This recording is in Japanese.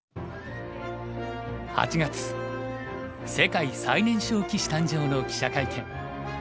８月世界最年少棋士誕生の記者会見。